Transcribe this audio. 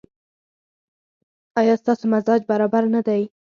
ایا ستاسو مزاج برابر نه دی؟